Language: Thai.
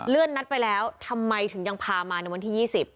นัดไปแล้วทำไมถึงยังพามาในวันที่๒๐